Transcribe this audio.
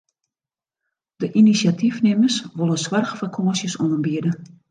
De inisjatyfnimmers wolle soarchfakânsjes oanbiede.